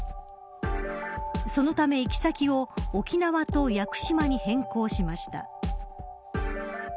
そのため行き先を沖縄と屋久島に変更しました。